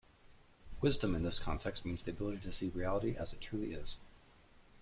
"Wisdom" in this context means the ability to see reality as it truly is.